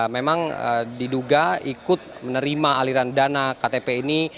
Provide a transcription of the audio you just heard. memang diduga ikut menerima aliran dana ktp ini